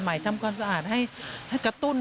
ทำความสะอาดให้กระตุ้น